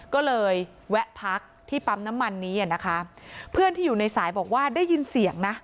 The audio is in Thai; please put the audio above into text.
ก็เลยแวะพักที่ปั๊มน้ำมันนี้อ่ะนะคะเพื่อนที่อยู่ในสายบอกว่าได้ยินเสียงนะ